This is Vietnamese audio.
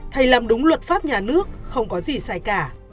thầy làm đúng luật pháp nhà nước không có gì sai cả